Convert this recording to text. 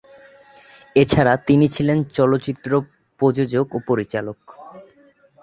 এছাড়া তিনি ছিলেন চলচ্চিত্র প্রযোজক ও পরিচালক।